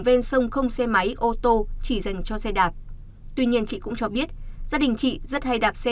ven sông không xe máy ô tô chỉ dành cho xe đạp tuy nhiên chị cũng cho biết gia đình chị rất hay đạp xe